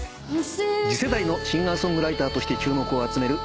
次世代のシンガー・ソングライターとして注目を集める由薫さん。